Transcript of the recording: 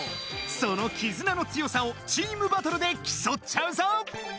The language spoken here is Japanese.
その絆の強さをチームバトルできそっちゃうぞ！